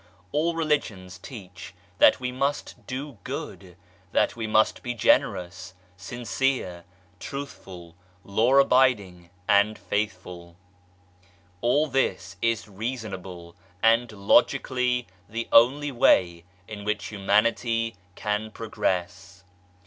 All religions teach that we must do good, that we must be generous, sincere, truthful, law abiding, and faithful ; all this is reasonable, and logically the only way in which Humanity can progress.